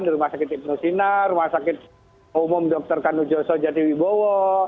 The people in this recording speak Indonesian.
di rumah sakit ibnusina rumah sakit umum dr kanu joso jatiwibowo